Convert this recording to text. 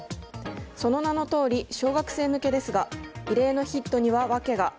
その名のとおり小学生向けですが異例のヒットには訳が。